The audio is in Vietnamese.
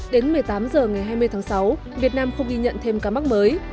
đến một mươi tám h ngày hai mươi tháng sáu việt nam không ghi nhận thêm ca mắc mới